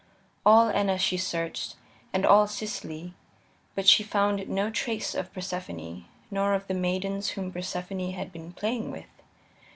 All Enna she searched, and all Sicily, but she found no trace of Persephone, nor of the maidens whom Persephone had been playing with.